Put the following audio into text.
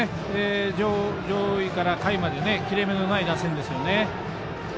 上位から下位まで切れ目のない打線ですよね。